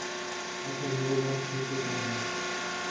اصل ہو گھر چھوٹو تا ہا